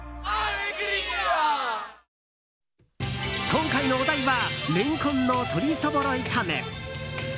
今回のお題はレンコンの鶏そぼろ炒め。